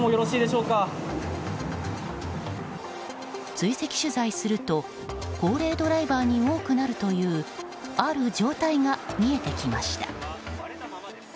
追跡取材すると高齢ドライバーに多くなるというある状態が見えてきました。